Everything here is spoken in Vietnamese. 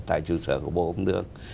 tại trụ sở của bộ công thương